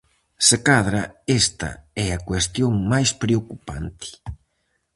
Se cadra esta é a cuestión máis preocupante.